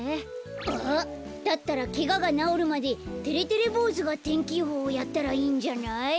あっだったらケガがなおるまでてれてれぼうずが天気予報やったらいいんじゃない？